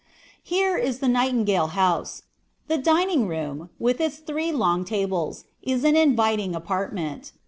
Here is the "Nightingale Home." The dining room, with its three long tables, is an inviting apartment.